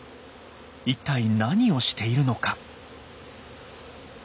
一体何をしているのか？